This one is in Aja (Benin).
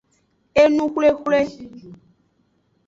Enuxwlexwle.